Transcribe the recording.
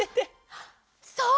そう！